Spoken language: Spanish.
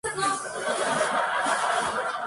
Está en el suroeste de la isla de Saint Mary's.